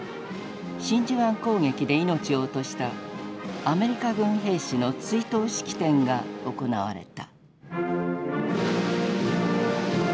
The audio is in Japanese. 真珠湾攻撃で命を落としたアメリカ軍兵士の追悼式典が行われた。